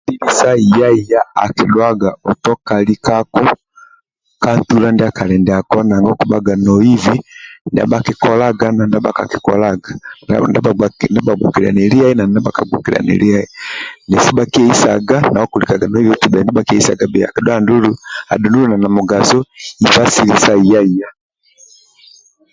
Dini sa hiya hiya akudhuaga otoka likako ka ntula ndia kali ndiako nanga okubhaga noibi ndia bhakikolaga na ndia bhakakikolaga ndia bhagboliliani liai na ndia bhaka gbokiliani liai nesi bhakieisga nawe okulikaga noibi oti bhenjo bhakieisaga bhiyo adhu ndulu nali na mugaso iba asili sa hiya hiya